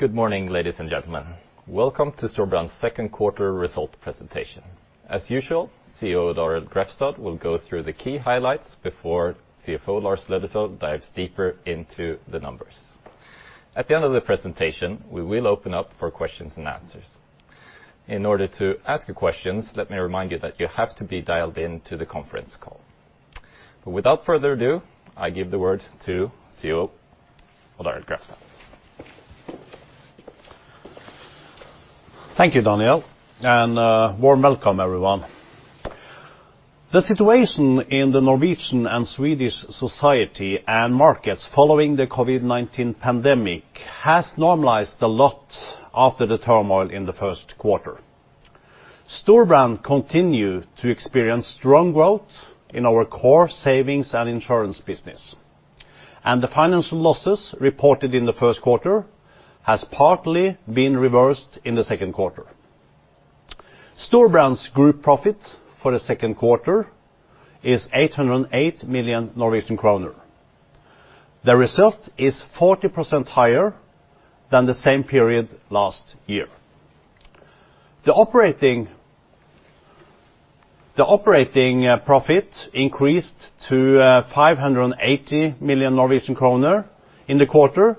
Good morning, ladies and gentlemen. Welcome to Storebrand's Q2 result presentation. As usual, CEO Odd Arild Grefstad will go through the key highlights before CFO Lars Løddesøl dives deeper into the numbers. At the end of the presentation, we will open up for questions and answers. In order to ask your questions, let me remind you that you have to be dialed into the conference call. But without further ado, I give the word to CEO Odd Arild Grefstad. Thank you, Daniel, and warm welcome, everyone. The situation in the Norwegian and Swedish society and markets following the COVID-19 pandemic has normalized a lot after the turmoil in the Q1. Storebrand continues to experience strong growth in our core savings and insurance business, and the financial losses reported in the Q1 have partly been reversed in the Q2. Storebrand's group profit for the Q2 is 808 million Norwegian kroner. The result is 40% higher than the same period last year. The operating profit increased to 580 million Norwegian kroner in the quarter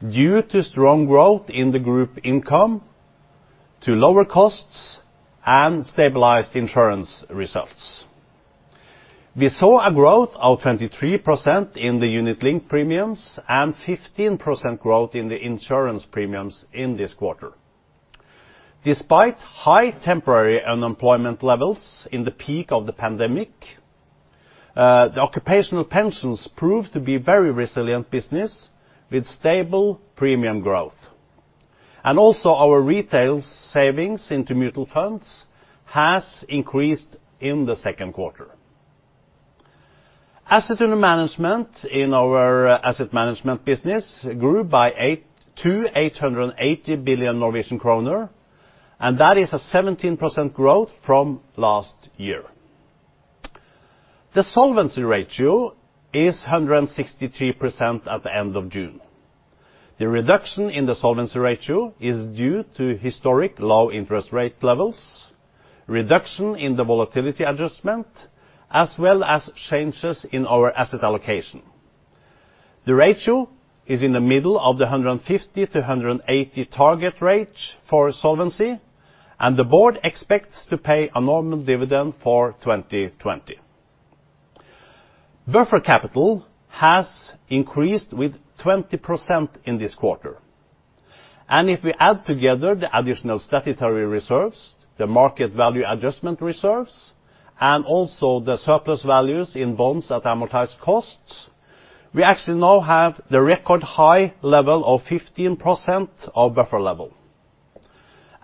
due to strong growth in the group income, to lower costs, and stabilized insurance results. We saw a growth of 23% in the unit-linked premiums and 15% growth in the insurance premiums in this quarter. Despite high temporary unemployment levels in the peak of the pandemic, the occupational pensions proved to be a very resilient business with stable premium growth, and also, our retail savings into mutual funds have increased in the Q2. Assets under management in our asset management business grew by 8 to 880 billion Norwegian kroner, and that is a 17% growth from last year. The solvency ratio is 163% at the end of June. The reduction in the solvency ratio is due to historic low interest rate levels, reduction in the volatility adjustment, as well as changes in our asset allocation. The ratio is in the middle of the 150%-180% target range for solvency, and the Board expects to pay a normal dividend for 2020. Buffer capital has increased with 20% in this quarter. And if we add together the additional statutory reserves, the market value adjustment reserves, and also the surplus values in bonds at amortised cost, we actually now have the record high level of 15% of buffer level.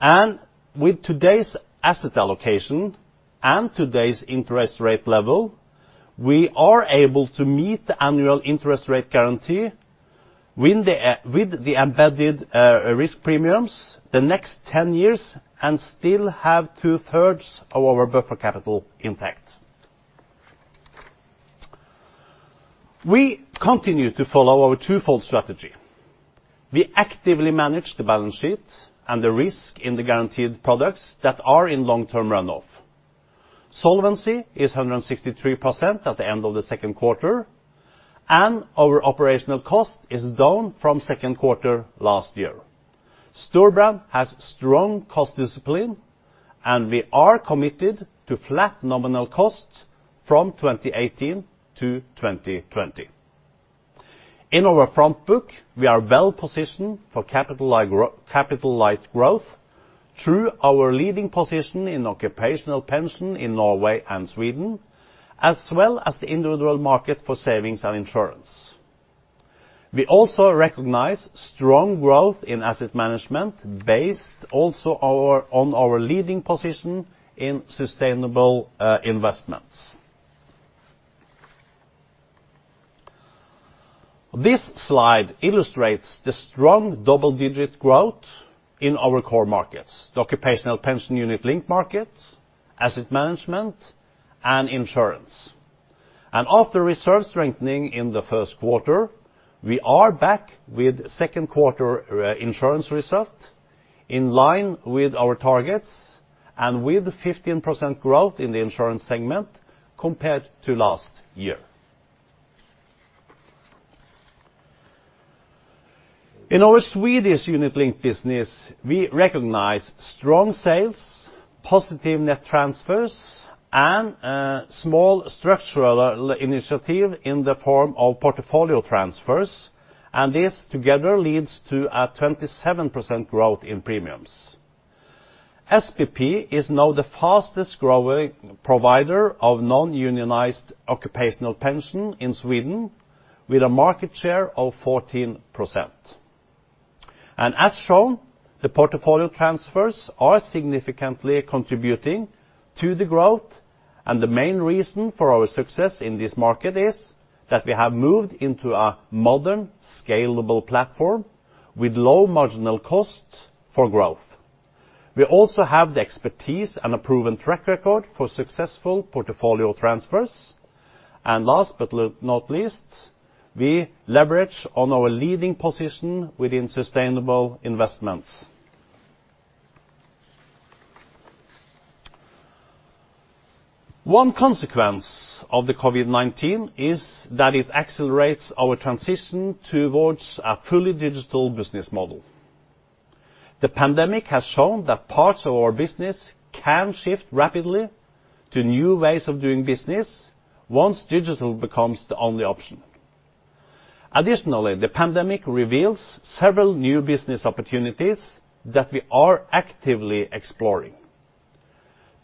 And with today's asset allocation and today's interest rate level, we are able to meet the annual interest rate guarantee with the embedded risk premiums the next 10 years and still have two-thirds of our buffer capital intact. We continue to follow our twofold strategy. We actively manage the balance sheet and the risk in the guaranteed products that are in long-term run-off. Solvency is 163% at the end of the Q2, and our operational cost is down from Q2 last year. Storebrand has strong cost discipline, and we are committed to flat nominal costs from 2018 to 2020. In our front book, we are well positioned for capital-like growth through our leading position in occupational pension in Norway and Sweden, as well as the individual market for savings and insurance. We also recognize strong growth in asset management based also on our leading position in sustainable investments. This slide illustrates the strong double-digit growth in our core markets: the occupational pension unit-linked market, asset management, and insurance. And after reserve strengthening in the Q1, we are back with Q2 insurance result in line with our targets and with 15% growth in the insurance segment compared to last year. In our Swedish unit-linked business, we recognize strong sales, positive net transfers, and a small structural initiative in the form of portfolio transfers, and this together leads to a 27% growth in premiums. SPP is now the fastest growing provider of non-unionized occupational pension in Sweden, with a market share of 14%. And as shown, the portfolio transfers are significantly contributing to the growth, and the main reason for our success in this market is that we have moved into a modern, scalable platform with low marginal costs for growth. We also have the expertise and a proven track record for successful portfolio transfers. And last but not least, we leverage on our leading position within sustainable investments. One consequence of the COVID-19 is that it accelerates our transition towards a fully digital business model. The pandemic has shown that parts of our business can shift rapidly to new ways of doing business once digital becomes the only option. Additionally, the pandemic reveals several new business opportunities that we are actively exploring: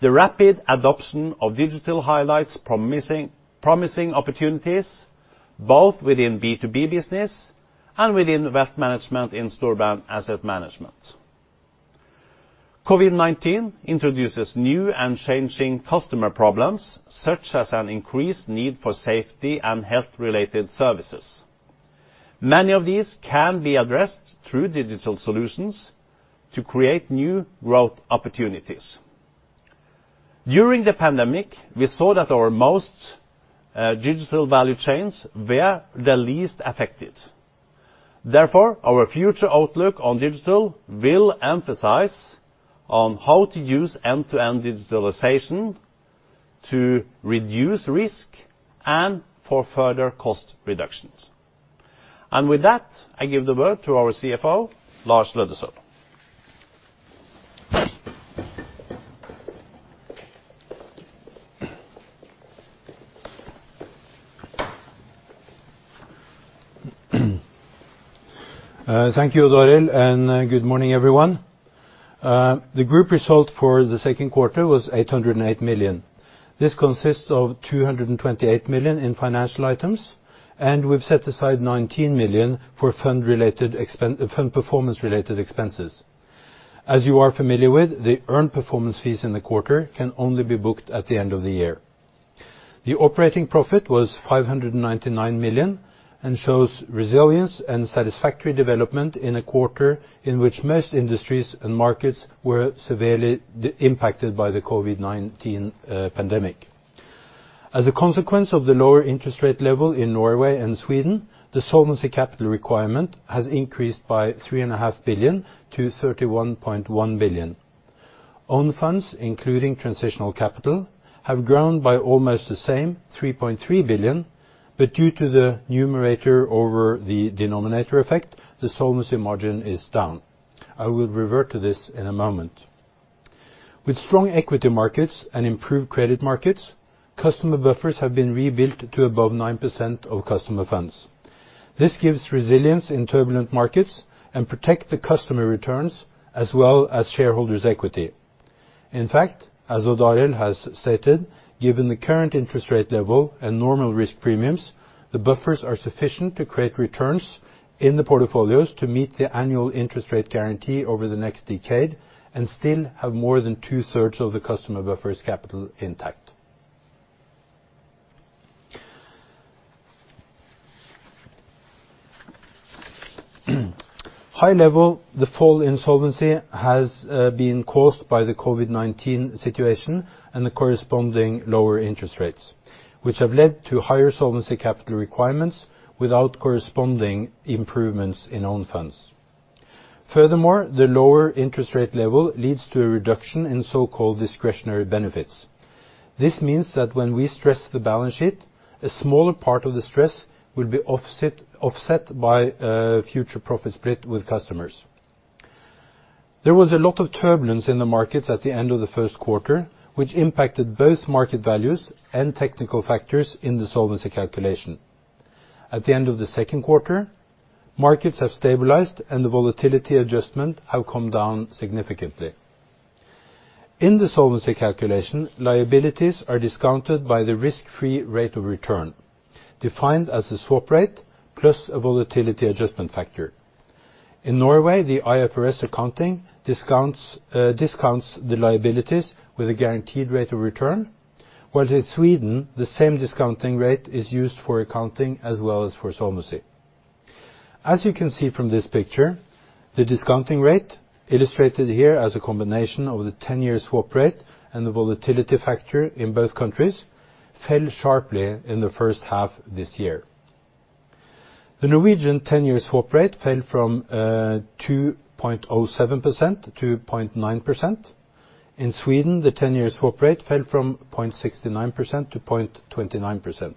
the rapid adoption of digital highlights promising opportunities, both within B2B business and within wealth management in Storebrand Asset Management. COVID-19 introduces new and changing customer problems, such as an increased need for safety and health-related services. Many of these can be addressed through digital solutions to create new growth opportunities. During the pandemic, we saw that our most digital value chains were the least affected. Therefore, our future outlook on digital will emphasize on how to use end-to-end digitalization to reduce risk and for further cost reductions. And with that, I give the word to our CFO, Lars Løddesøl. Thank you, Odd Arild, and good morning, everyone. The group result for the Q2 was 808 million. This consists of 228 million in financial items, and we've set aside 19 million for fund performance-related expenses. As you are familiar with, the earned performance fees in the quarter can only be booked at the end of the year. The operating profit was 599 million and shows resilience and satisfactory development in a quarter in which most industries and markets were severely impacted by the COVID-19 pandemic. As a consequence of the lower interest rate level in Norway and Sweden, the solvency capital requirement has increased by 3.5 billion to 31.1 billion. Own funds, including transitional capital, have grown by almost the same, 3.3 billion, but due to the numerator over the denominator effect, the solvency margin is down. I will revert to this in a moment. With strong equity markets and improved credit markets, customer buffers have been rebuilt to above 9% of customer funds. This gives resilience in turbulent markets and protects the customer returns as well as shareholders' equity. In fact, as Odd Arild has stated, given the current interest rate level and normal risk premiums, the buffers are sufficient to create returns in the portfolios to meet the annual interest rate guarantee over the next decade and still have more than two-thirds of the customer buffer's capital intact. High level, the fall in solvency has been caused by the COVID-19 situation and the corresponding lower interest rates, which have led to higher solvency capital requirements without corresponding improvements in own funds. Furthermore, the lower interest rate level leads to a reduction in so-called discretionary benefits. This means that when we stress the balance sheet, a smaller part of the stress will be offset by a future profit split with customers. There was a lot of turbulence in the markets at the end of the Q1, which impacted both market values and technical factors in the solvency calculation. At the end of the Q2, markets have stabilized, and the volatility adjustment has come down significantly. In the solvency calculation, liabilities are discounted by the risk-free rate of return, defined as a swap rate plus a volatility adjustment factor.In Norway, the IFRS accounting discounts the liabilities with a guaranteed rate of return, while in Sweden, the same discounting rate is used for accounting as well as for solvency. As you can see from this picture, the discounting rate, illustrated here as a combination of the 10-year swap rate and the volatility factor in both countries, fell sharply in the first half this year. The Norwegian 10-year swap rate fell from 2.07% to 2.9%. In Sweden, the 10-year swap rate fell from 0.69% to 0.29%.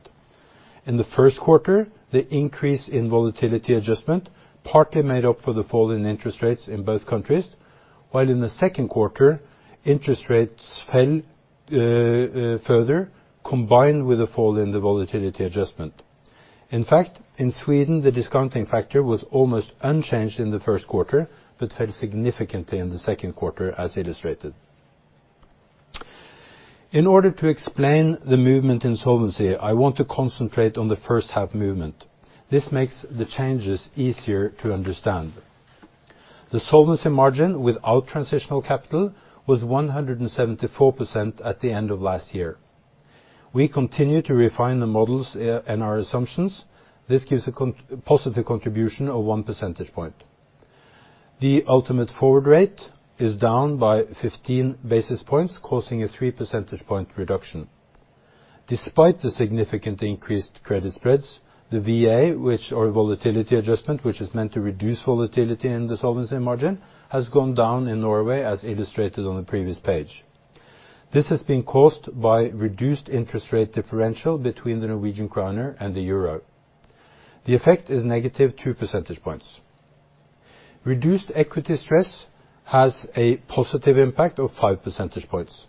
In the Q1, the increase in volatility adjustment partly made up for the fall in interest rates in both countries, while in the Q2, interest rates fell further combined with a fall in the volatility adjustment. In fact, in Sweden, the discounting factor was almost unchanged in the Q1 but fell significantly in the Q2, as illustrated. In order to explain the movement in solvency, I want to concentrate on the first-half movement. This makes the changes easier to understand. The solvency margin without transitional capital was 174% at the end of last year. We continue to refine the models and our assumptions. This gives a positive contribution of one percentage point. The ultimate forward rate is down by 15 basis points, causing a three percentage point reduction. Despite the significantly increased credit spreads, the VA, which is our volatility adjustment, which is meant to reduce volatility in the solvency margin, has gone down in Norway, as illustrated on the previous page. This has been caused by a reduced interest rate differential between the Norwegian krone and the euro. The effect is negative two percentage points. Reduced equity stress has a positive impact of five percentage points.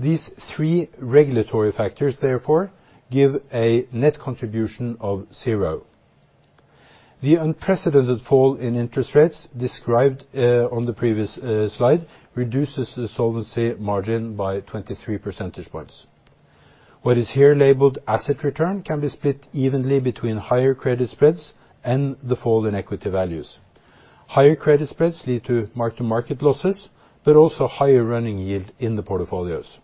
These three regulatory factors, therefore, give a net contribution of zero. The unprecedented fall in interest rates described on the previous slide reduces the solvency margin by 23 percentage points. What is here labeled asset return can be split evenly between higher credit spreads and the fall in equity values. Higher credit spreads lead to mark-to-market losses, but also higher running yield in the portfolios.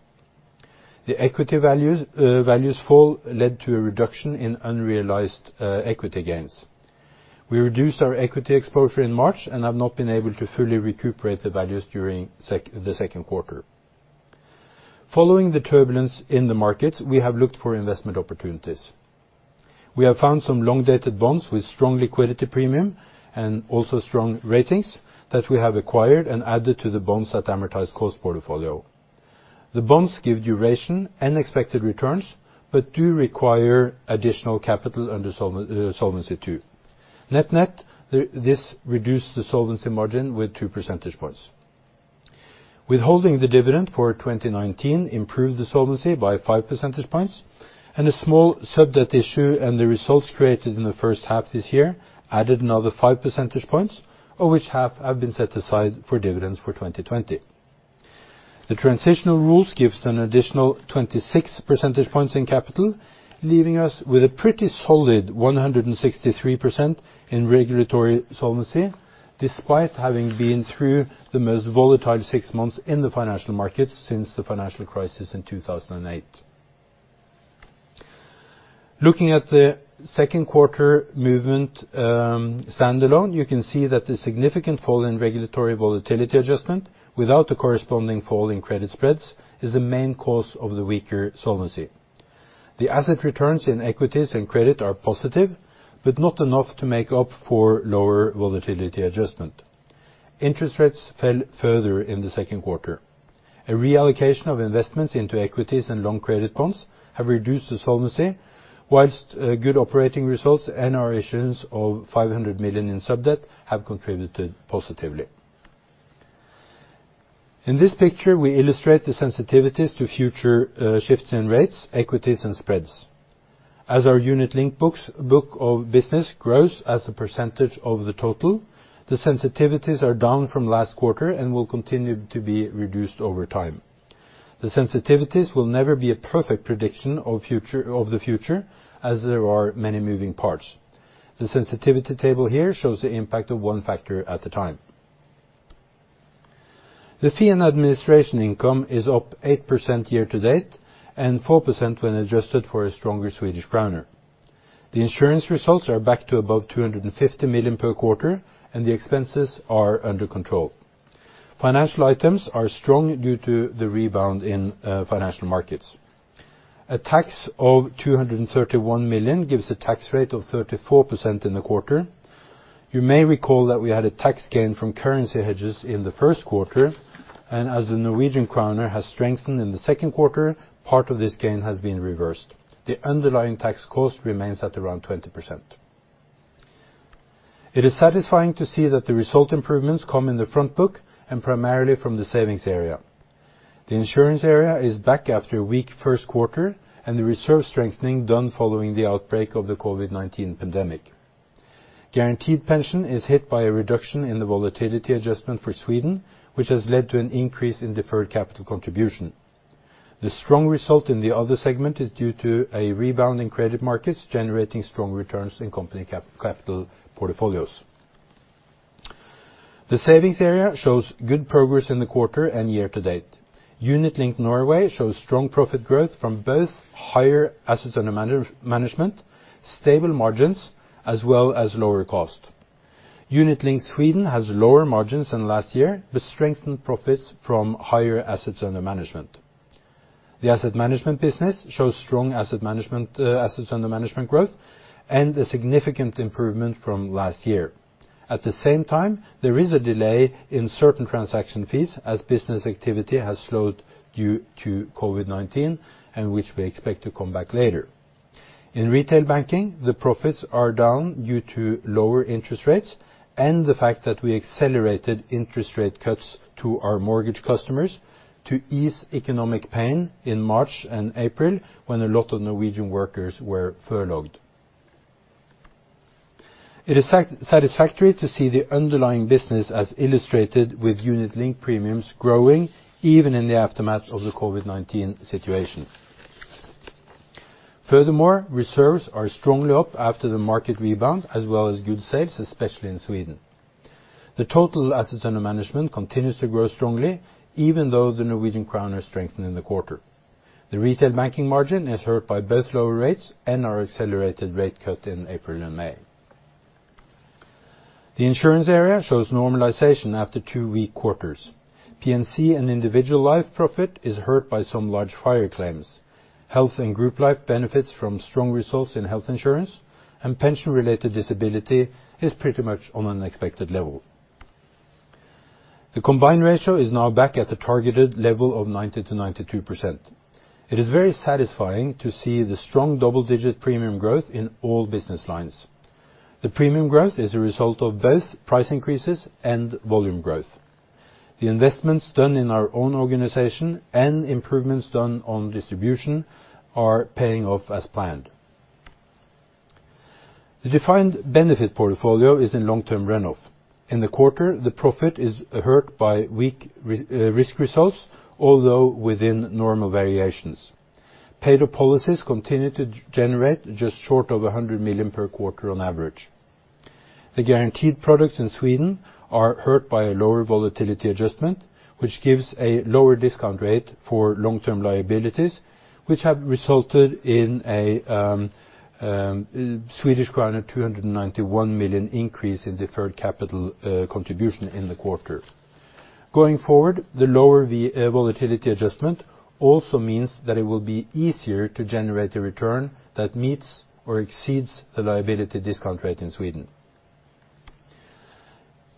The equity values' fall led to a reduction in unrealized equity gains. We reduced our equity exposure in March and have not been able to fully recuperate the values during the Q2. Following the turbulence in the markets, we have looked for investment opportunities. We have found some long-dated bonds with strong liquidity premium and also strong ratings that we have acquired and added to the bonds at amortised cost portfolio. The bonds give duration and expected returns but do require additional capital under Solvency II. Net-net, this reduced the solvency margin with two percentage points. Withholding the dividend for 2019 improved the solvency by five percentage points, and a small sub-debt issue and the results created in the first half this year added another five percentage points, of which half have been set aside for dividends for 2020. The transitional rules give an additional 26 percentage points in capital, leaving us with a pretty solid 163% in regulatory solvency despite having been through the most volatile six months in the financial markets since the financial crisis in 2008. Looking at the Q2 movement standalone, you can see that the significant fall in regulatory volatility adjustment without the corresponding fall in credit spreads is the main cause of the weaker solvency. The asset returns in equities and credit are positive, but not enough to make up for lower volatility adjustment. Interest rates fell further in the Q2. A reallocation of investments into equities and long credit bonds has reduced the solvency, while good operating results and our issuance of 500 million in sub-debt have contributed positively. In this picture, we illustrate the sensitivities to future shifts in rates, equities, and spreads. As our unit-linked book of business grows as a percentage of the total, the sensitivities are down from last quarter and will continue to be reduced over time. The sensitivities will never be a perfect prediction of the future, as there are many moving parts. The sensitivity table here shows the impact of one factor at a time. The fee and administration income is up 8% year-to-date and 4% when adjusted for a stronger Swedish krona. The insurance results are back to above 250 million per quarter, and the expenses are under control. Financial items are strong due to the rebound in financial markets. A tax of 231 million gives a tax rate of 34% in the quarter. You may recall that we had a tax gain from currency hedges in the Q1, and as the Norwegian kroner has strengthened in the Q2, part of this gain has been reversed. The underlying tax cost remains at around 20%. It is satisfying to see that the result improvements come in the front book and primarily from the savings area. The insurance area is back after a weak Q1 and the reserve strengthening done following the outbreak of the COVID-19 pandemic. Guaranteed pension is hit by a reduction in the volatility adjustment for Sweden, which has led to an increase in deferred capital contribution. The strong result in the other segment is due to a rebound in credit markets generating strong returns in company capital portfolios. The savings area shows good progress in the quarter and year-to-date. Unit-linked Norway shows strong profit growth from both higher assets under management, stable margins, as well as lower cost. Unit-linked Sweden has lower margins than last year but strengthened profits from higher assets under management. The asset management business shows strong assets under management growth and a significant improvement from last year. At the same time, there is a delay in certain transaction fees as business activity has slowed due to COVID-19, which we expect to come back later. In retail banking, the profits are down due to lower interest rates and the fact that we accelerated interest rate cuts to our mortgage customers to ease economic pain in March and April when a lot of Norwegian workers were furloughed. It is satisfactory to see the underlying business, as illustrated with unit-linked premiums, growing even in the aftermath of the COVID-19 situation. Furthermore, reserves are strongly up after the market rebound, as well as good sales, especially in Sweden. The total assets under management continues to grow strongly, even though the Norwegian kroner strengthened in the quarter. The retail banking margin is hurt by both lower rates and our accelerated rate cut in April and May. The insurance area shows normalization after two weak quarters. P&C and individual life profit is hurt by some large fire claims. Health and group life benefits from strong results in health insurance, and pension-related disability is pretty much on an expected level. The combined ratio is now back at the targeted level of 90%-92%. It is very satisfying to see the strong double-digit premium growth in all business lines. The premium growth is a result of both price increases and volume growth. The investments done in our own organization and improvements done on distribution are paying off as planned. The defined benefit portfolio is in long-term run-off. In the quarter, the profit is hurt by weak risk results, although within normal variations. Paid-up policies continue to generate just short of 100 million per quarter on average. The guaranteed products in Sweden are hurt by a lower volatility adjustment, which gives a lower discount rate for long-term liabilities, which have resulted in Swedish krona 291 million increase in deferred capital contribution in the quarter. Going forward, the lower volatility adjustment also means that it will be easier to generate a return that meets or exceeds the liability discount rate in Sweden.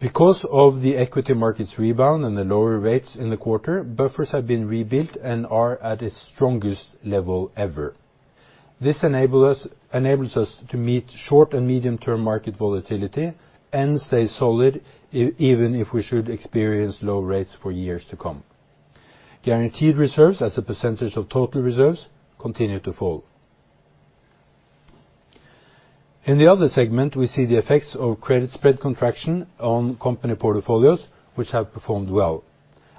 Because of the equity markets' rebound and the lower rates in the quarter, buffers have been rebuilt and are at its strongest level ever. This enables us to meet short and medium-term market volatility and stay solid even if we should experience low rates for years to come. Guaranteed reserves, as a percentage of total reserves, continue to fall. In the other segment, we see the effects of credit spread contraction on company portfolios, which have performed well.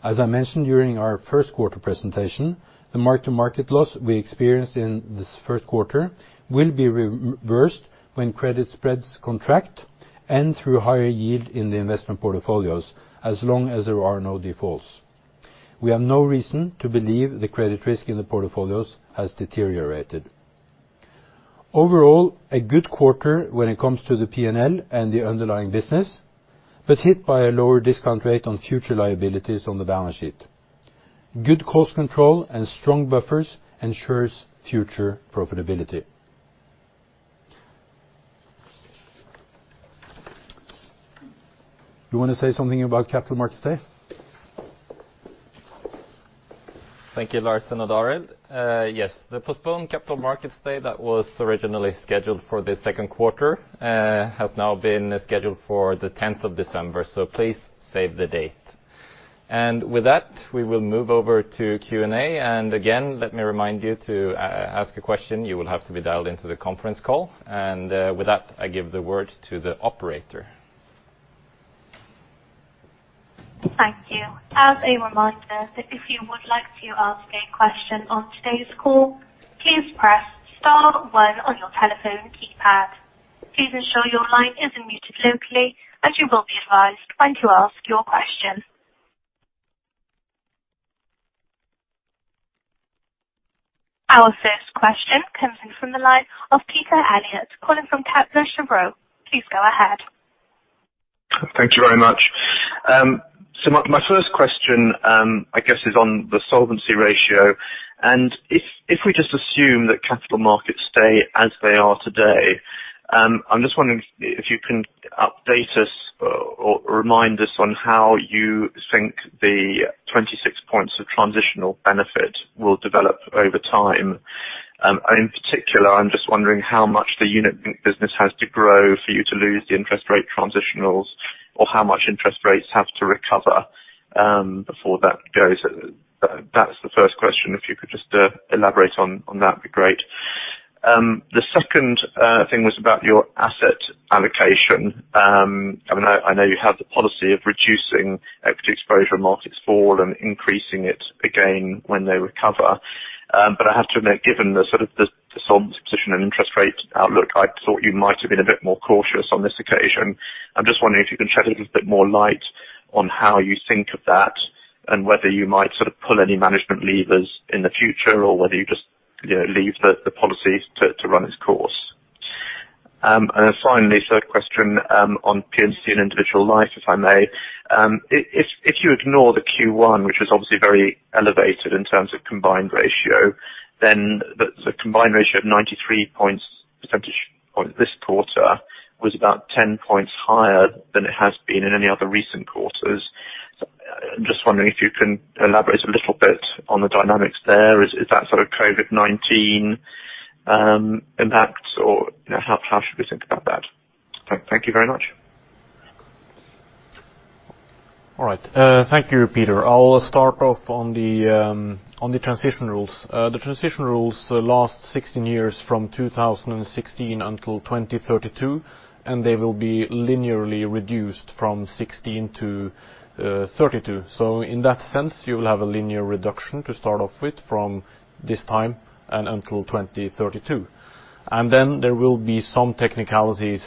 As I mentioned during our Q1 presentation, the mark-to-market loss we experienced in this Q1 will be reversed when credit spreads contract and through higher yield in the investment portfolios, as long as there are no defaults. We have no reason to believe the credit risk in the portfolios has deteriorated. Overall, a good quarter when it comes to the P&L and the underlying business, but hit by a lower discount rate on future liabilities on the balance sheet. Good cost control and strong buffers ensure future profitability. You want to say something about Capital Markets Day? Thank you, Lars Aasulv. Yes, the postponed Capital Markets Day that was originally scheduled for the Q2 has now been scheduled for the 10th of December, so please save the date. And with that, we will move over to Q&A. And again, let me remind you to ask a question. You will have to be dialed into the conference call. And with that, I give the word to the operator. Thank you. As a reminder, if you would like to ask a question on today's call, please press star one on your telephone keypad. Please ensure your line isn't muted locally, as you will be advised when to ask your question. Our first question comes in from the line of Peter Eliot calling from Kepler Cheuvreux. Please go ahead. Thank you very much. So my first question, I guess, is on the solvency ratio. And if we just assume that capital markets stay as they are today, I'm just wondering if you can update us or remind us on how you think the 26 points of transitional benefit will develop over time. In particular, I'm just wondering how much the unit-linked business has to grow for you to lose the interest rate transitionals or how much interest rates have to recover before that goes. That's the first question. If you could just elaborate on that, it'd be great. The second thing was about your asset allocation. I know you have the policy of reducing equity exposure when markets fall and increasing it again when they recover. But I have to admit, given the sort of solvency position and interest rate outlook, I thought you might have been a bit more cautious on this occasion. I'm just wondering if you can shed a little bit more light on how you think of that and whether you might sort of pull any management levers in the future or whether you just leave the policy to run its course. And then finally, third question on P&C and individual life, if I may. If you ignore the Q1, which is obviously very elevated in terms of combined ratio, then the combined ratio of 93 percentage points this quarter was about 10 points higher than it has been in any other recent quarters. I'm just wondering if you can elaborate a little bit on the dynamics there. Is that sort of COVID-19 impact, or how should we think about that? Thank you very much. All right. Thank you, Peter. I'll start off on the transitional rules. The transitional rules last 16 years from 2016 until 2032, and they will be linearly reduced from 16 to 32. So in that sense, you will have a linear reduction to start off with from this time and until 2032, and then there will be some technicalities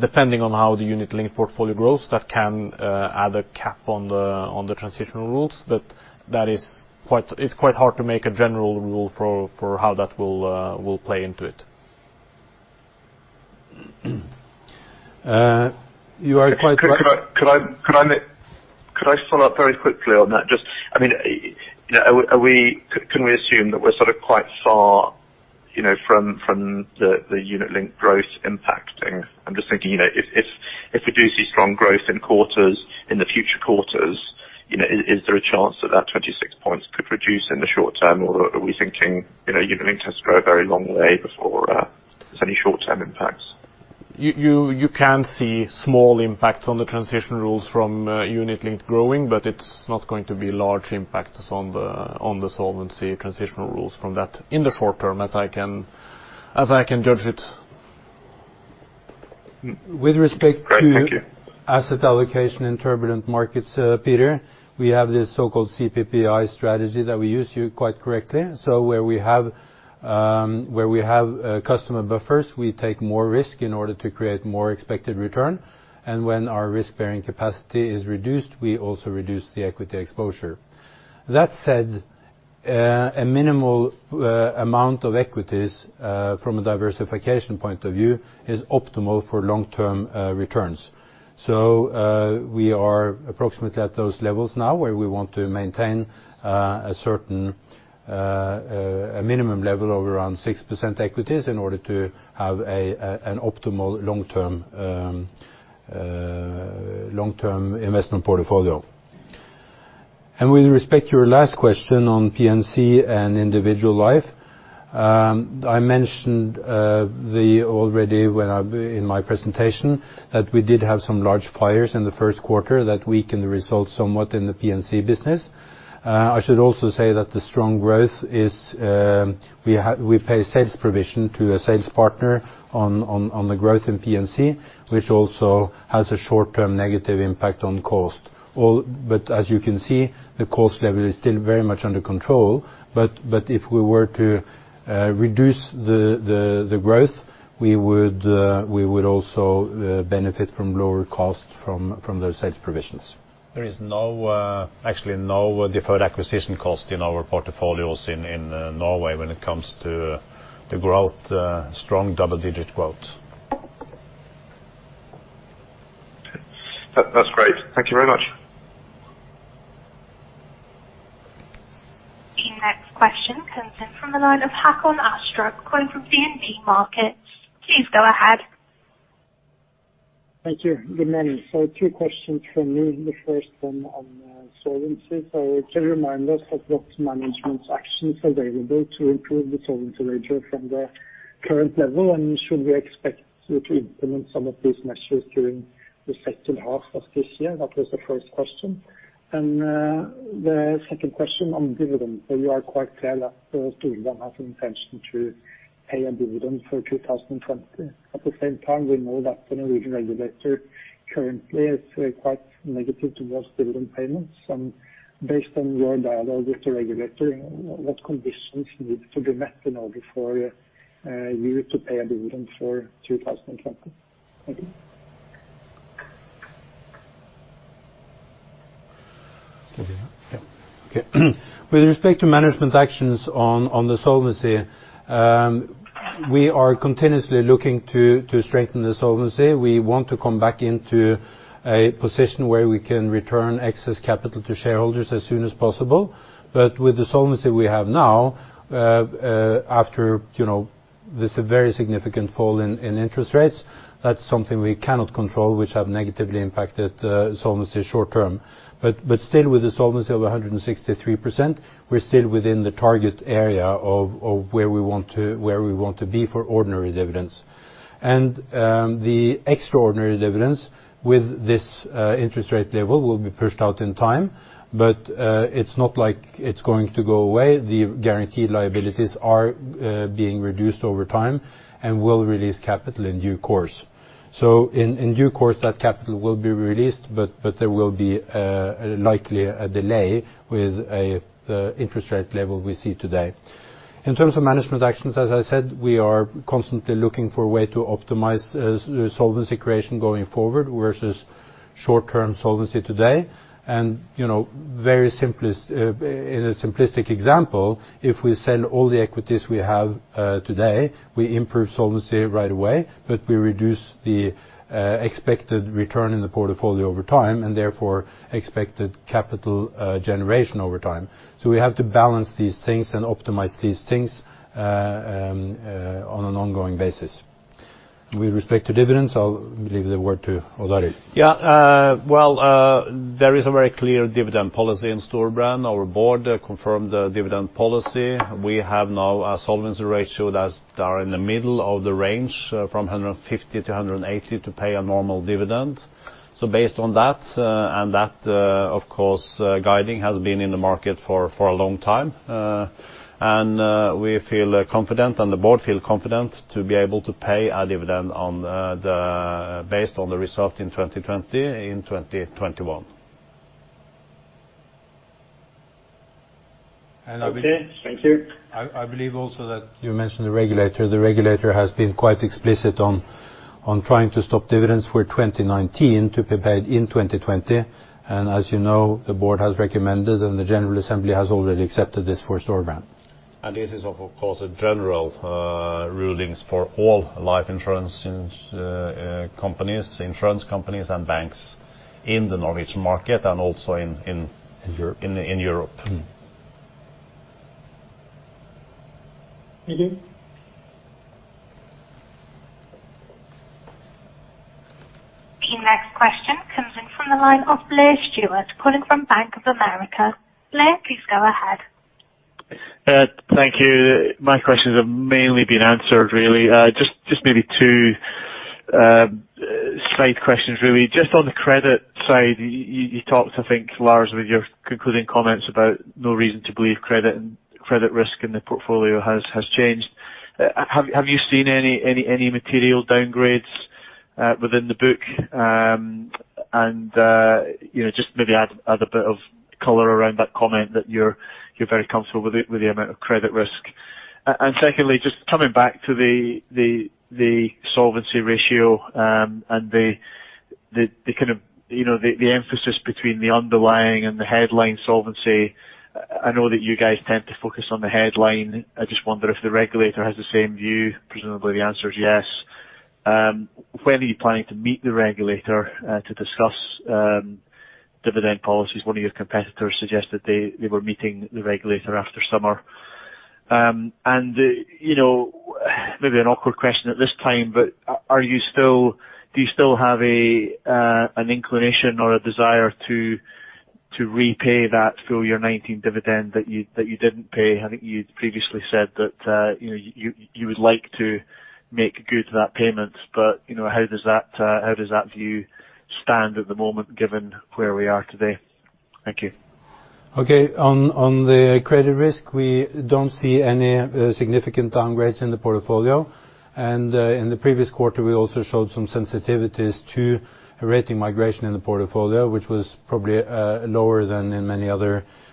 depending on how the unit-linked portfolio grows that can add a cap on the transitional rules, but it's quite hard to make a general rule for how that will play into it. You are quite right. Could I follow up very quickly on that? Just, I mean, can we assume that we're sort of quite far from the unit-linked growth impact thing? I'm just thinking, if we do see strong growth in the future quarters, is there a chance that that 26 points could reduce in the short term, or are we thinking unit-linked has to grow a very long way before there's any short-term impacts? You can see small impacts on the transitional rules from unit-linked growing, but it's not going to be large impacts on the solvency transitional rules from that in the short term, as I can judge it. With respect to asset allocation in turbulent markets, Peter, we have this so-called CPPI strategy that we use quite correctly, so where we have customer buffers, we take more risk in order to create more expected return, and when our risk-bearing capacity is reduced, we also reduce the equity exposure. That said, a minimal amount of equities from a diversification point of view is optimal for long-term returns. So we are approximately at those levels now where we want to maintain a minimum level of around 6% equities in order to have an optimal long-term investment portfolio. And with respect to your last question on P&C and individual life, I mentioned already in my presentation that we did have some large fires in the Q1 that weakened the results somewhat in the P&C business. I should also say that the strong growth is we pay sales provision to a sales partner on the growth in P&C, which also has a short-term negative impact on cost. But as you can see, the cost level is still very much under control. But if we were to reduce the growth, we would also benefit from lower costs from those sales provisions. There is actually no deferred acquisition cost in our portfolios in Norway when it comes to the growth, strong double-digit growth. That's great. Thank you very much. The next question comes in from the line of Håkon Astrup calling from DNB Markets. Please go ahead. Thank you. Good morning. So two questions for me. The first one on solvency. So could you remind us of what management's actions are available to improve the solvency ratio from the current level, and should we expect to implement some of these measures during the second half of this year? That was the first question. And the second question on dividends. So you are quite clear that Storebrand has an intention to pay a dividend for 2020. At the same time, we know that the Norwegian regulator currently is quite negative towards dividend payments. And based on your dialogue with the regulator, what conditions need to be met in order for you to pay a dividend for 2020? Thank you. Okay. With respect to management's actions on the solvency, we are continuously looking to strengthen the solvency. We want to come back into a position where we can return excess capital to shareholders as soon as possible. But with the solvency we have now, after this very significant fall in interest rates, that's something we cannot control, which have negatively impacted solvency short term. But still, with the solvency of 163%, we're still within the target area of where we want to be for ordinary dividends. And the extraordinary dividends with this interest rate level will be pushed out in time, but it's not like it's going to go away. The guaranteed liabilities are being reduced over time and will release capital in due course. So in due course, that capital will be released, but there will be likely a delay with the interest rate level we see today. In terms of management actions, as I said, we are constantly looking for a way to optimize solvency creation going forward versus short-term solvency today. And in a simplistic example, if we sell all the equities we have today, we improve solvency right away, but we reduce the expected return in the portfolio over time and therefore expected capital generation over time. So we have to balance these things and optimize these things on an ongoing basis. With respect to dividends, I'll leave the word to Odd Arild. Yeah. Well, there is a very clear dividend policy in Storebrand. Our Board confirmed the dividend policy. We have now a solvency ratio that are in the middle of the range from 150-180 to pay a normal dividend. So based on that, and that, of course, guidance has been in the market for a long time. And we feel confident, and the Board feels confident to be able to pay a dividend based on the result in 2020 in 2021. And I believe also that you mentioned the regulator. The regulator has been quite explicit on trying to stop dividends for 2019 to be paid in 2020. And as you know, the Board has recommended, and the General Assembly has already accepted this for Storebrand. And this is, of course, a general ruling for all life insurance companies, insurance companies, and banks in the Norwegian market and also in Europe. Thank you. The next question comes in from the line of Blair Stewart calling from Bank of America. Blair, please go ahead. Thank you. My questions have mainly been answered, really. Just maybe two straight questions, really. Just on the credit side, you talked, I think, Lars, with your concluding comments about no reason to believe credit risk in the portfolio has changed. Have you seen any material downgrades within the book? And just maybe add a bit of color around that comment that you're very comfortable with the amount of credit risk. And secondly, just coming back to the solvency ratio and the kind of the emphasis between the underlying and the headline solvency. I know that you guys tend to focus on the headline. I just wonder if the regulator has the same view. Presumably, the answer is yes. When are you planning to meet the regulator to discuss dividend policies? One of your competitors suggested they were meeting the regulator after summer, and maybe an awkward question at this time, but do you still have an inclination or a desire to repay that full year 2019 dividend that you didn't pay? I think you'd previously said that you would like to make good that payment, but how does that view stand at the moment given where we are today? Thank you. Okay. On the credit risk, we don't see any significant downgrades in the portfolio, and in the previous quarter, we also showed some sensitivities to rating migration in the portfolio, which was probably lower than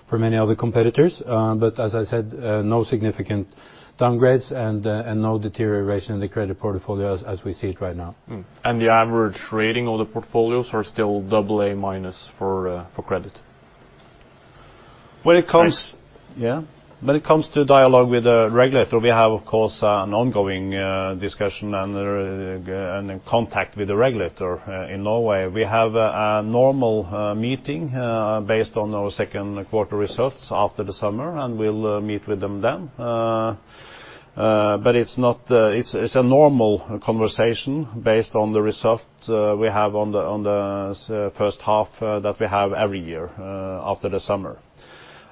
for many other competitors, but as I said, no significant downgrades and no deterioration in the credit portfolio as we see it right now. And the average rating of the portfolios are still AA minus for credit. When it comes to dialogue with the regulator, we have, of course, an ongoing discussion and contact with the regulator in Norway. We have a normal meeting based on our Q2 results after the summer, and we'll meet with them then. But it's a normal conversation based on the result we have on the first half that we have every year after the summer.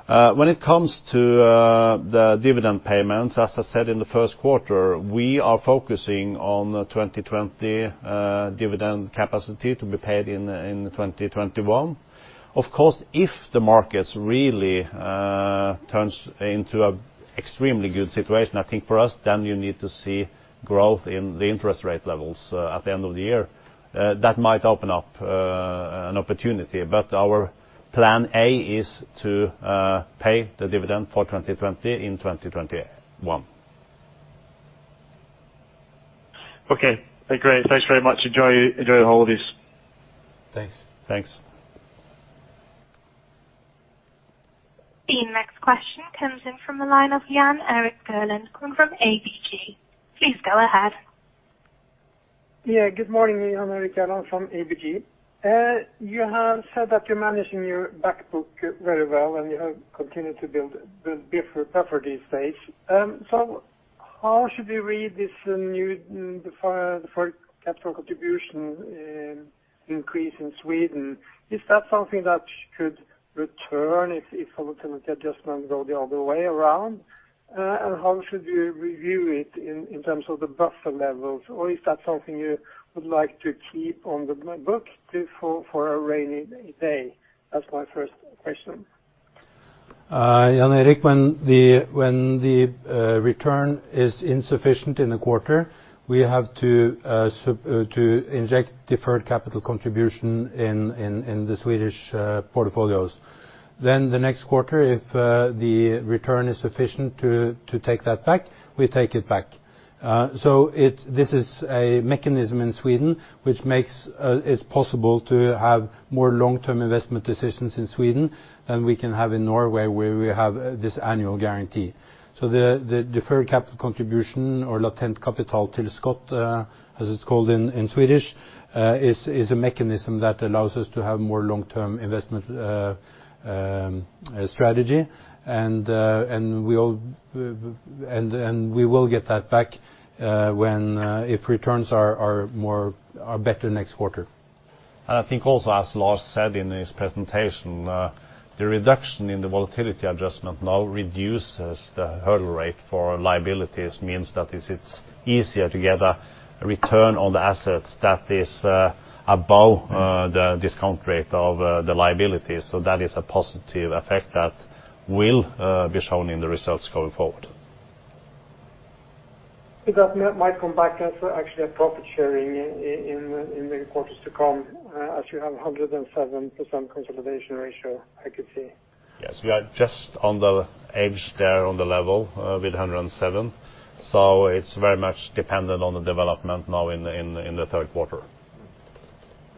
When it comes to the dividend payments, as I said in the Q1, we are focusing on 2020 dividend capacity to be paid in 2021. Of course, if the markets really turn into an extremely good situation, I think for us, then you need to see growth in the interest rate levels at the end of the year. That might open up an opportunity, but our plan A is to pay the dividend for 2020 in 2021. Okay. Great. Thanks very much. Enjoy the holidays. Thanks. Thanks. The next question comes in from the line of Jan Erik Gjerland from ABG. Please go ahead. Yeah. Good morning, Jan Erik Gjerland from ABG. You have said that you're managing your backbook very well, and you have continued to build buffer these days. So how should we read this new deferred capital contribution increase in Sweden? Is that something that could return if solvency adjustments go the other way around? And how should we review it in terms of the buffer levels? Or is that something you would like to keep on the book for a rainy day? That's my first question. Jan Erik, when the return is insufficient in the quarter, we have to inject deferred capital contribution in the Swedish portfolios. Then the next quarter, if the return is sufficient to take that back, we take it back. So this is a mechanism in Sweden which makes it possible to have more long-term investment decisions in Sweden than we can have in Norway where we have this annual guarantee. So the deferred capital contribution or latent kapitaltillskott, as it's called in Swedish, is a mechanism that allows us to have more long-term investment strategy. And we will get that back if returns are better next quarter. And I think also, as Lars said in his presentation, the reduction in the volatility adjustment now reduces the hurdle rate for liabilities, means that it's easier to get a return on the assets that is above the discount rate of the liabilities. So that is a positive effect that will be shown in the results going forward. The government might come back as actually a profit sharing in the quarters to come, as you have 107% combined ratio, I could see. Yes. We are just on the edge there on the level with 107. So it's very much dependent on the development now in the Q3.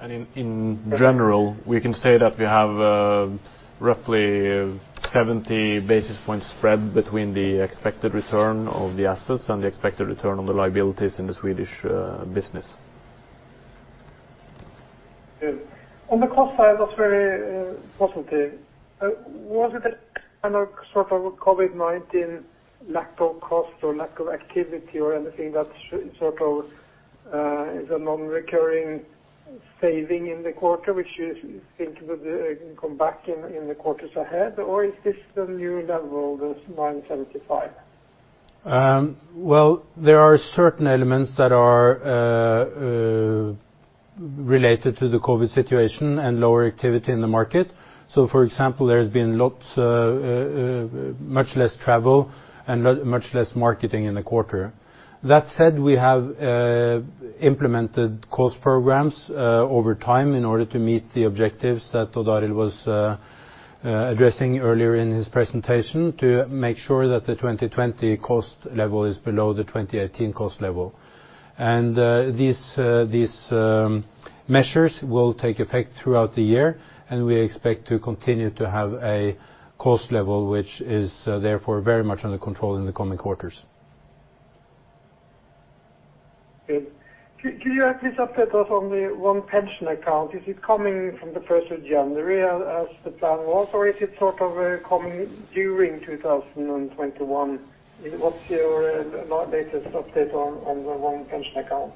And in general, we can say that we have roughly 70 basis points spread between the expected return of the assets and the expected return on the liabilities in the Swedish business. On the cost side, that's very positive. Was it a kind of sort of COVID-19 lack of cost or lack of activity or anything that sort of is a non-recurring saving in the quarter, which you think will come back in the quarters ahead? Or is this the new level, the -75? There are certain elements that are related to the COVID situation and lower activity in the market, so for example, there has been much less travel and much less marketing in the quarter. That said, we have implemented cost programs over time in order to meet the objectives that Odd Arild was addressing earlier in his presentation to make sure that the 2020 cost level is below the 2018 cost level, and these measures will take effect throughout the year, and we expect to continue to have a cost level which is therefore very much under control in the coming quarters. Can you please update us on the own pension account? Is it coming from the 1st of January as the plan was, or is it sort of coming during 2021? What's your latest update on the own pension account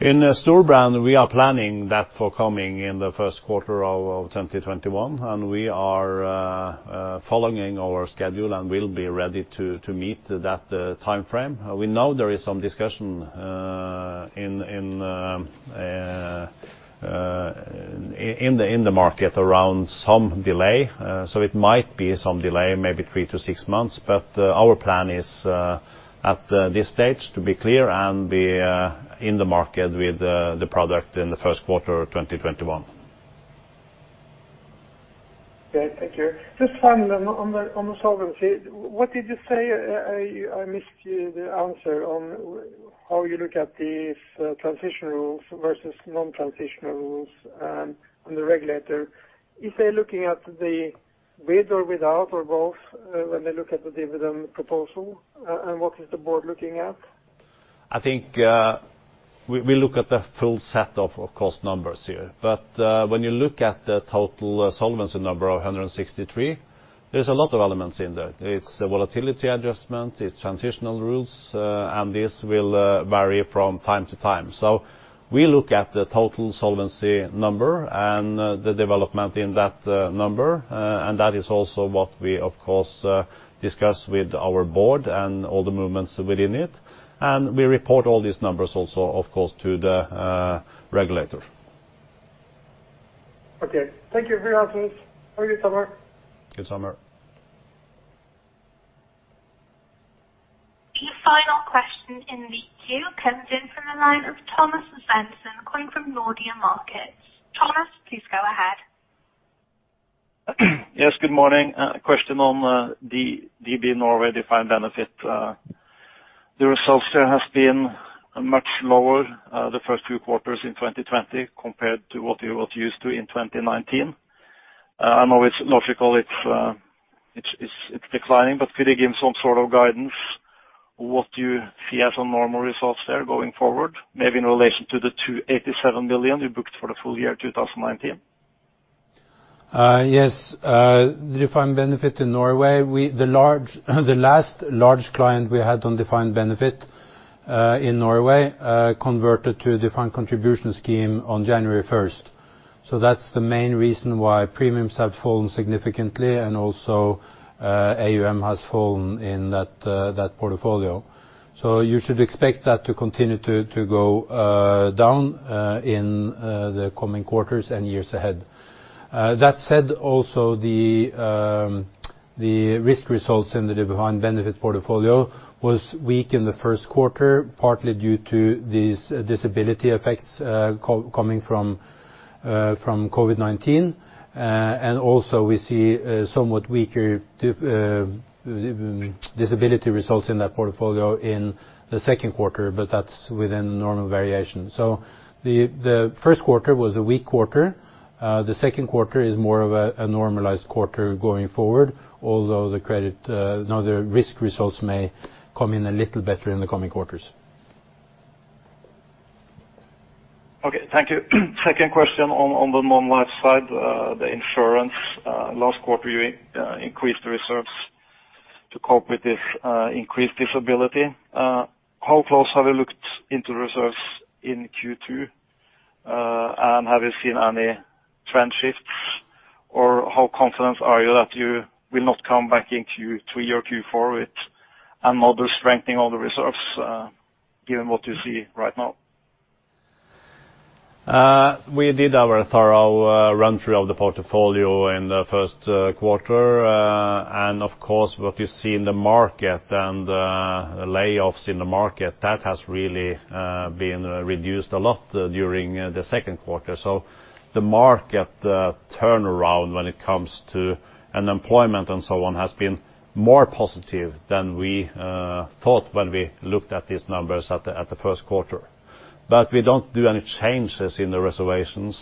in Norway? In Storebrand, we are planning that for coming in the Q1 of 2021, and we are following our schedule and will be ready to meet that timeframe. We know there is some discussion in the market around some delay. So it might be some delay, maybe three-to-six months, but our plan is at this stage to be clear and be in the market with the product in the Q1 of 2021. Okay. Thank you. Just finally, on the solvency, what did you say? I missed the answer on how you look at these transitional rules versus non-transitional rules and the regulator. Is the regulator looking at the with or without or both when they look at the dividend proposal? And what is the Board looking at? I think we look at the full set of solvency numbers here. But when you look at the total solvency number of 163, there's a lot of elements in there. It's the volatility adjustment, it's transitional rules, and this will vary from time to time. So we look at the total solvency number and the development in that number, and that is also what we, of course, discuss with our Board and all the movements within it. And we report all these numbers also, of course, to the regulator. Okay. Thank you very much, Lars. Have a good summer. Good summer. The final question in week two comes in from the line of Thomas Svendsen calling from Nordea Markets. Thomas, please go ahead. Yes. Good morning. Question on DB Norway defined benefit. The results there have been much lower the first few quarters in 2020 compared to what you were used to in 2019. I know it's logical, it's declining, but could you give some sort of guidance what you see as a normal result there going forward, maybe in relation to the 87 million you booked for the full year 2019? Yes. Defined benefit in Norway. The last large client we had on defined benefit in Norway converted to a defined contribution scheme on January 1st. So that's the main reason why premiums have fallen significantly, and also AUM has fallen in that portfolio. So you should expect that to continue to go down in the coming quarters and years ahead. That said, also the risk results in the defined benefit portfolio was weak in the Q1, partly due to these disability effects coming from COVID-19, and also, we see somewhat weaker disability results in that portfolio in the Q2, but that's within normal variation. So the Q1 was a weak quarter. The Q2 is more of a normalized quarter going forward, although the risk results may come in a little better in the coming quarters. Okay. Thank you. Second question on the non-life side, the insurance. Last quarter, you increased the reserves to cope with this increased disability. How close have you looked into reserves in Q2, and have you seen any trend shifts, or how confident are you that you will not come back in Q3 or Q4 with another strengthening of the reserves given what you see right now? We did our thorough run-through of the portfolio in the Q1. And of course, what you see in the market and the layoffs in the market, that has really been reduced a lot during the Q2. So the market turnaround when it comes to unemployment and so on has been more positive than we thought when we looked at these numbers at the Q1. But we don't do any changes in the reservations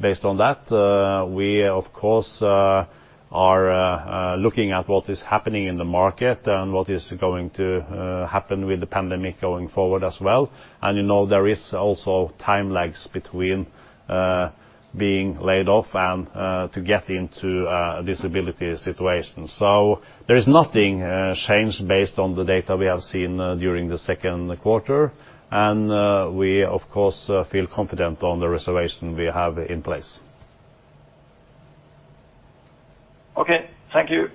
based on that. We, of course, are looking at what is happening in the market and what is going to happen with the pandemic going forward as well. And there is also time lags between being laid off and to get into a disability situation. So there is nothing changed based on the data we have seen during the Q2. And we, of course, feel confident on the reservation we have in place. Okay. Thank you.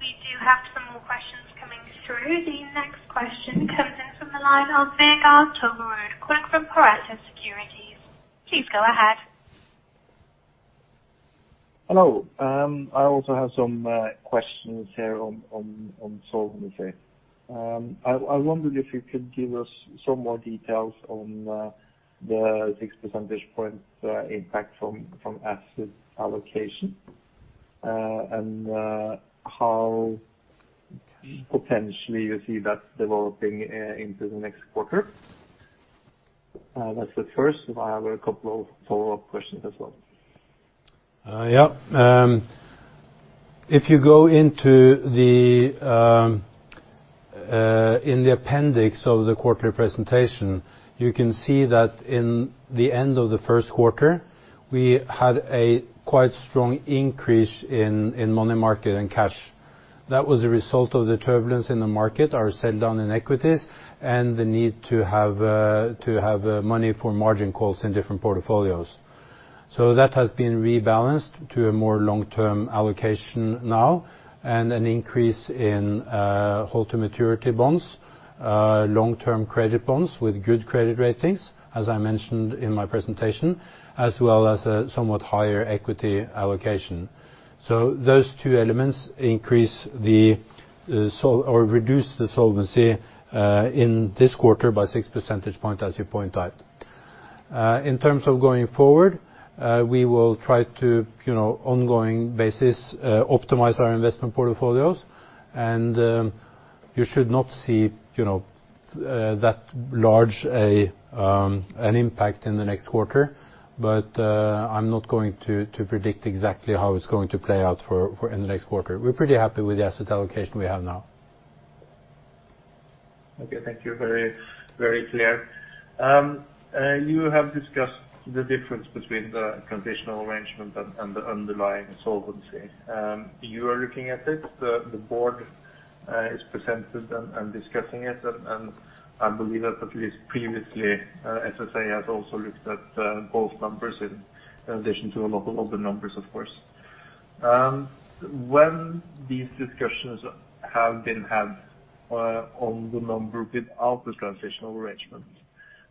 We do have some more questions coming through. The next question comes in from the line of Vegard Toverud calling from Pareto Securities. Please go ahead. Hello. I also have some questions here on solvency. I wondered if you could give us some more details on the six percentage point impact from asset allocation and how potentially you see that developing into the next quarter. That's the first. I have a couple of follow-up questions as well. Yep. If you go into the appendix of the quarterly presentation, you can see that in the end of the Q1, we had a quite strong increase in money market and cash. That was a result of the turbulence in the market, our sell down in equities, and the need to have money for margin calls in different portfolios. So that has been rebalanced to a more long-term allocation now and an increase in hold to maturity bonds, long-term credit bonds with good credit ratings, as I mentioned in my presentation, as well as a somewhat higher equity allocation. So those two elements increase or reduce the solvency in this quarter by 6 percentage points, as you point out. In terms of going forward, we will try to, on ongoing basis, optimize our investment portfolios. And you should not see that large an impact in the next quarter, but I'm not going to predict exactly how it's going to play out in the next quarter. We're pretty happy with the asset allocation we have now. Okay. Thank you. Very clear. You have discussed the difference between the transitional arrangement and the underlying solvency. You are looking at it. The Board is presented and discussing it. And I believe that at least previously, FSA has also looked at both numbers in addition to a lot of other numbers, of course. When these discussions have been had on the number without the transitional arrangement,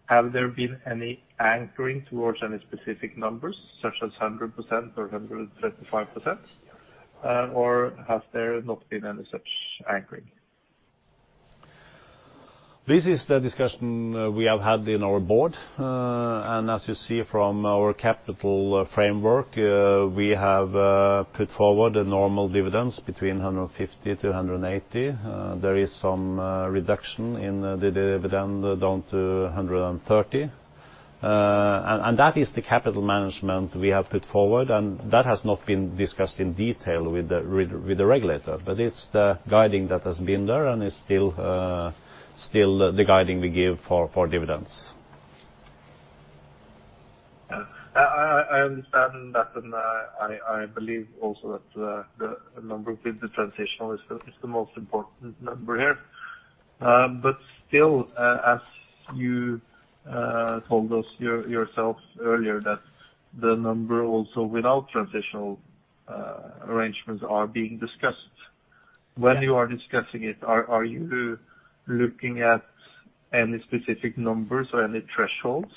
have there been any anchoring towards any specific numbers, such as 100% or 135%, or has there not been any such anchoring? This is the discussion we have had in our Board. And as you see from our capital framework, we have put forward a normal dividends between 150%-180%. There is some reduction in the dividend down to 130%. And that is the capital management we have put forward, and that has not been discussed in detail with the regulator. But it's the guiding that has been there, and it's still the guiding we give for dividends. I understand that, and I believe also that the number with the transitional is the most important number here. But still, as you told us yourself earlier, that the number also without transitional arrangements are being discussed. When you are discussing it, are you looking at any specific numbers or any thresholds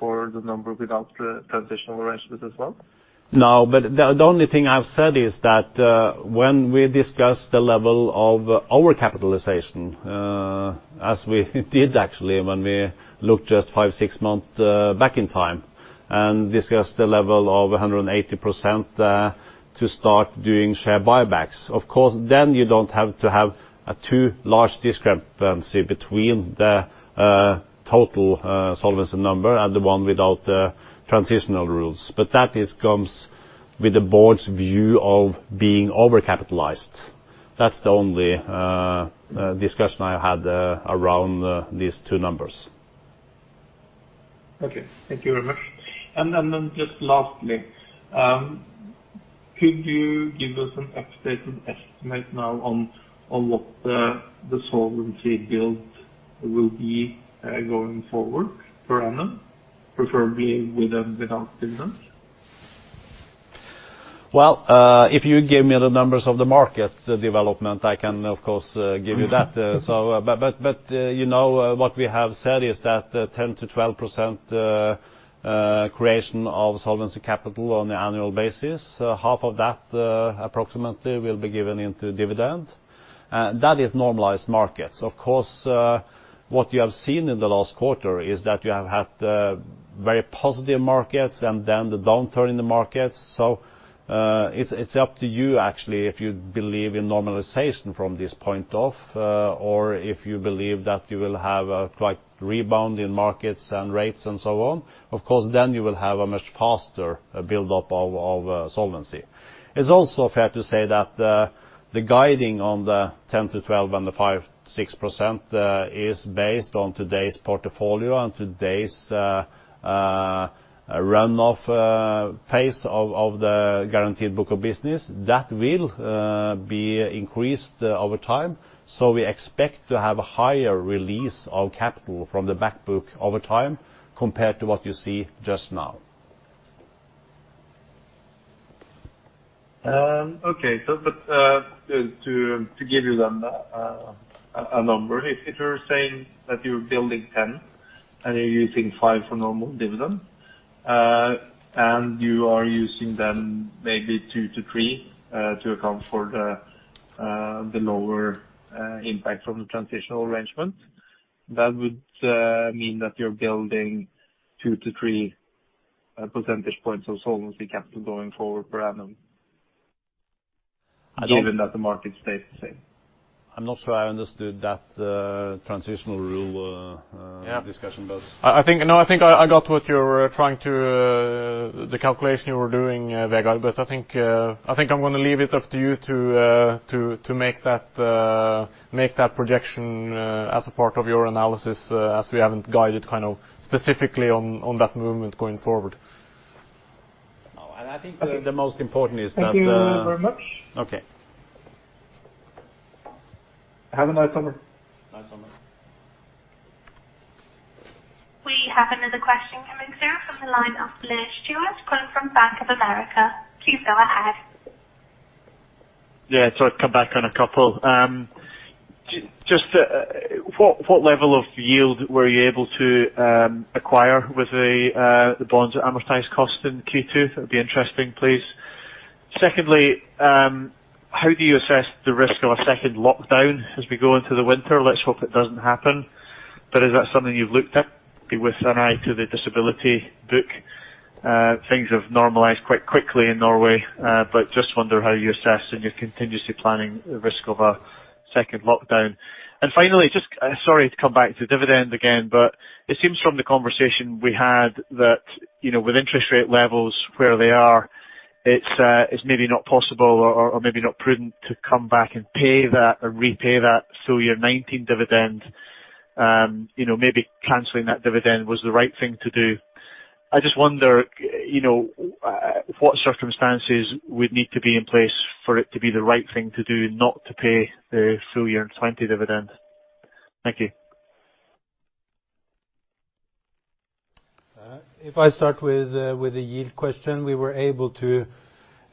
for the number without transitional arrangements as well? No. But the only thing I've said is that when we discuss the level of our capitalization, as we did actually when we looked just five, six months back in time and discussed the level of 180% to start doing share buybacks, of course, then you don't have to have a too large discrepancy between the total solvency number and the one without the transitional rules. But that comes with the Board's view of being over-capitalized. That's the only discussion I had around these two numbers. Okay. Thank you very much. And then just lastly, could you give us an updated estimate now on what the solvency build will be going forward per annum, preferably with and without dividends? Well, if you give me the numbers of the market development, I can, of course, give you that. But what we have said is that 10%-12% creation of solvency capital on the annual basis. Half of that approximately will be given into dividend. That is normalized markets. Of course, what you have seen in the last quarter is that you have had very positive markets and then the downturn in the markets. So it's up to you actually if you believe in normalization from this point off or if you believe that you will have a quite rebound in markets and rates and so on. Of course, then you will have a much faster build-up of solvency. It's also fair to say that the guidance on the 10-12 and the 5-6% is based on today's portfolio and today's run-off phase of the guaranteed book of business. That will be increased over time. So we expect to have a higher release of capital from the backbook over time compared to what you see just now. Okay. But to give you then a number, if you're saying that you're building 10 and you're using 5 for normal dividend and you are using then maybe 2-3 to account for the lower impact from the transitional arrangement, that would mean that you're building 2-3 percentage points of solvency capital going forward per annum given that the market stays the same? I'm not sure I understood that transitional rule discussion, but. No, I think I got what you were trying to the calculation you were doing, Vegard. But I think I'm going to leave it up to you to make that projection as a part of your analysis as we haven't guided kind of specifically on that movement going forward. And I think the most important is that. Thank you very much. Okay. Have a nice summer. Nice summer. We have another question coming through from the line of Blair Stewart calling from Bank of America. Please go ahead. Yeah. So I've come back on a couple. Just what level of yield were you able to acquire with the bonds at amortised cost in Q2? That would be interesting, please. Secondly, how do you assess the risk of a second lockdown as we go into the winter? Let's hope it doesn't happen. But is that something you've looked at with an eye to the disability book? Things have normalized quite quickly in Norway, but just wonder how you assess and you're continuously planning the risk of a second lockdown. And finally, just sorry to come back to dividend again, but it seems from the conversation we had that with interest rate levels where they are, it's maybe not possible or maybe not prudent to come back and pay that or repay that full year 2019 dividend. Maybe canceling that dividend was the right thing to do. I just wonder what circumstances would need to be in place for it to be the right thing to do not to pay the full year 2020 dividend. Thank you. If I start with a yield question, we were able to,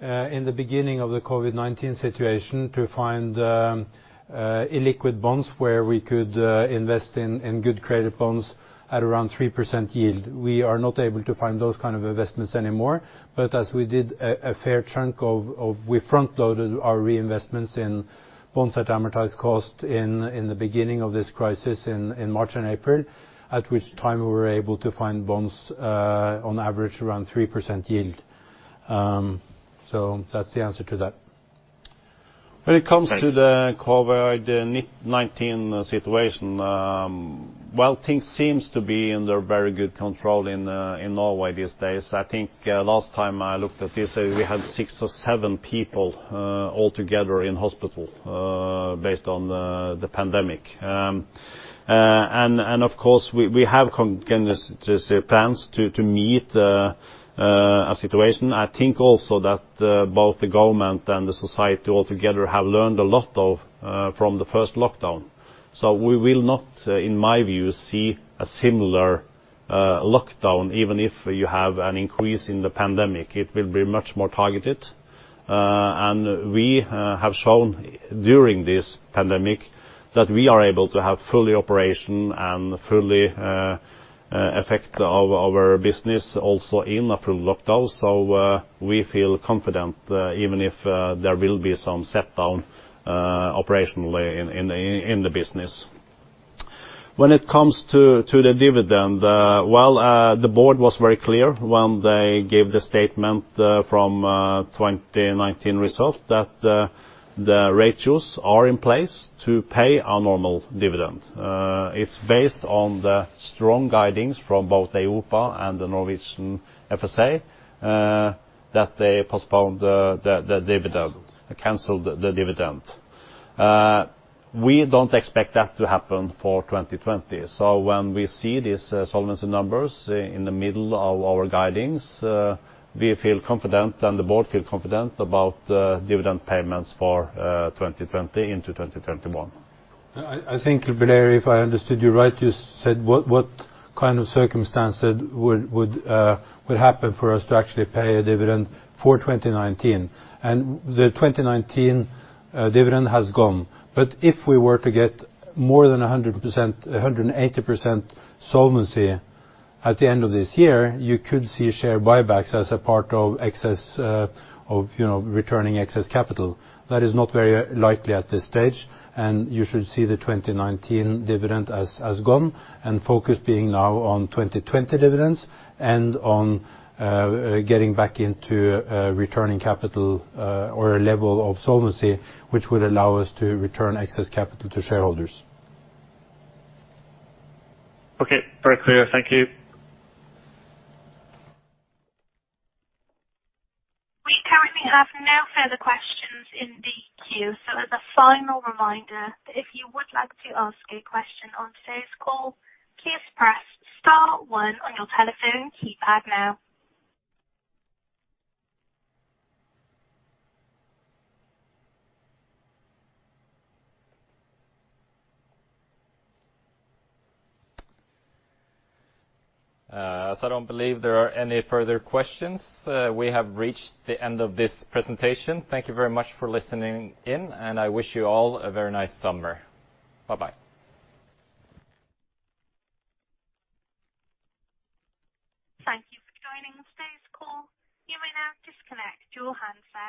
in the beginning of the COVID-19 situation, to find illiquid bonds where we could invest in good credit bonds at around 3% yield. We are not able to find those kind of investments anymore. But as we did a fair chunk, we front-loaded our reinvestments in bonds at amortised cost in the beginning of this crisis in March and April, at which time we were able to find bonds on average around 3% yield. So that's the answer to that. When it comes to the COVID-19 situation, well, things seem to be under very good control in Norway these days. I think last time I looked at this, we had six or seven people altogether in hospital based on the pandemic. And of course, we have continuous plans to meet a situation. I think also that both the government and the society altogether have learned a lot from the first lockdown, so we will not, in my view, see a similar lockdown, even if you have an increase in the pandemic. It will be much more targeted, and we have shown during this pandemic that we are able to have full operation and full effect of our business also in a full lockdown, so we feel confident even if there will be some shutdown operationally in the business. When it comes to the dividend, well, the Board was very clear when they gave the statement from 2019 result that the ratios are in place to pay a normal dividend. It's based on the strong guidance from both EIOPA and the Norwegian FSA that they postponed the dividend, canceled the dividend. We don't expect that to happen for 2020. So when we see these solvency numbers in the middle of our guidance, we feel confident and the Board feels confident about dividend payments for 2020 into 2021. I think, Blair, if I understood you right, you said what kind of circumstances would happen for us to actually pay a dividend for 2019. And the 2019 dividend has gone. But if we were to get more than 100%-180% solvency at the end of this year, you could see share buybacks as a part of returning excess capital. That is not very likely at this stage. And you should see the 2019 dividend as gone and focus being now on 2020 dividends and on getting back into returning capital or a level of solvency which would allow us to return excess capital to shareholders. Okay. Very clear. Thank you. We currently have no further questions in the queue. So as a final reminder, if you would like to ask a question on today's call, please press star one on your telephone keypad now. As I don't believe there are any further questions, we have reached the end of this presentation. Thank you very much for listening in, and I wish you all a very nice summer. Bye-bye. Thank you for joining today's call. You may now disconnect your handset.